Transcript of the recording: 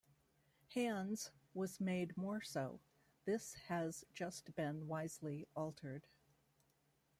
"Hands" was made more so; this has just been wisely altered.